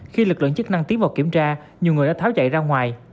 khi lực lượng chức năng tiến vào kiểm tra nhiều người đã tháo chạy ra ngoài